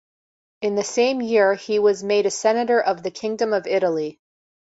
In the same year he was made a senator of the Kingdom of Italy.